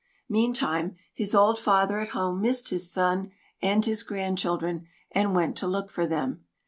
Meantime, his old father at home missed his son and his grandchildren, and went to look for them.